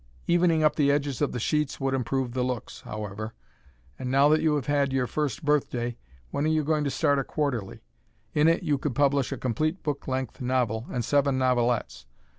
Evening up the edges of the sheets would improve the looks, however. And now that you have had your first birthday, when are you going to start a quarterly? In it you could publish a complete book length novel and seven novelettes.